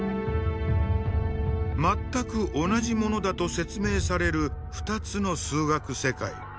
全く同じものだと説明される２つの数学世界。